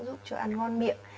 giúp cho ăn ngon miệng